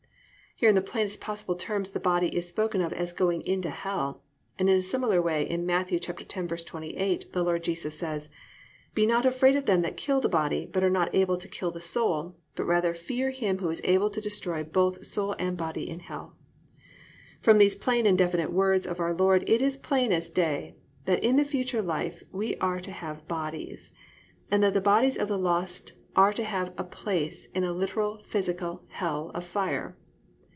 "+ Here in the plainest possible terms the body is spoken of as going into hell, and in a similar way in Matt. 10:28, the Lord Jesus says: +"Be not afraid of them that kill the body, but are not able to kill the soul; but rather fear him who is able to destroy both soul and body in hell."+ From these plain and definite words of our Lord it is plain as day that in the future life we are to have bodies, and that the bodies of the lost are to have a place in a literal physical hell of fire.